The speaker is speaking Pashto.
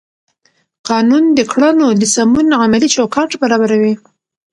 قانون د کړنو د سمون عملي چوکاټ برابروي.